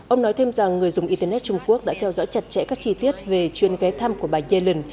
ông nói thêm rằng người dùng internet trung quốc đã theo dõi chặt chẽ các chi tiết về chuyên ghé thăm của bà yellen